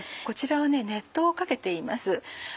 こちらは熱湯をかけています。